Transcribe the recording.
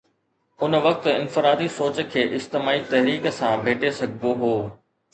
ان وقت انفرادي سوچ کي اجتماعي تحريڪ سان ڀيٽي سگهبو هو.